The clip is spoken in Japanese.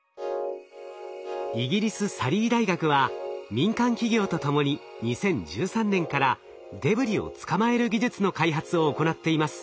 イギリスサリー大学は民間企業と共に２０１３年からデブリを捕まえる技術の開発を行っています。